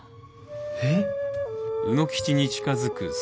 えっ？